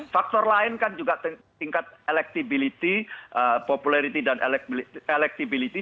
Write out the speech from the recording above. faktor lain kan juga tingkat elektribili popularity dan elektribili